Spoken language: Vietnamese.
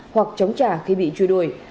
hoặc chống trả khi bị chui đuổi